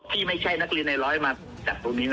ที่ไม่ใช่นักเรียนในร้อยมาจากตรงนี้นะ